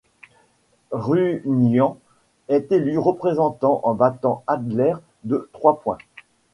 Runyan est élu représentant en battant Adler de trois points.